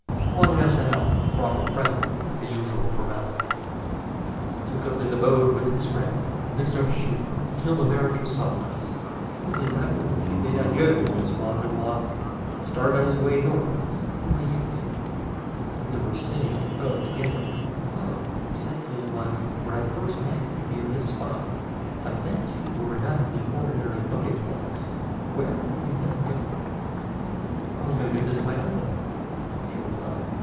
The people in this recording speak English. Wang now sent off betrothal presents, with the usual formalities, and took up his abode with his friend, Mr. Hsü, until the marriage was solemnized, three days after which he bade adieu to his father in law, and started on his way northwards. In the evening, as they were sitting on the boat together, Wang said to his wife, "When I first met you near this spot, I fancied you were not of the ordinary boating class. Where were you then going?" "I was going to visit my uncle," she replied.